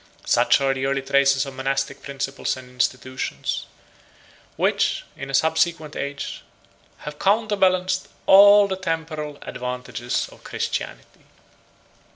98 Such are the early traces of monastic principles and institutions, which, in a subsequent age, have counterbalanced all the temporal advantages of Christianity.